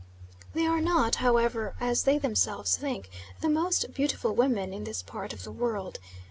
They are not however, as they themselves think, the most beautiful women in this part of the world.